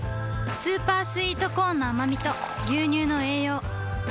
スーパースイートコーンのあまみと牛乳の栄養